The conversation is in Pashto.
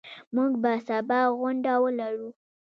موږ به سبا غونډه ولرو.